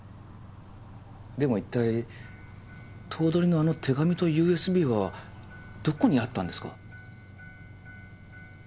でも一体頭取のあの手紙とＵＳＢはどこにあったんですか？